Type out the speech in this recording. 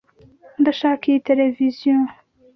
Ndashaka iyi televiziyo.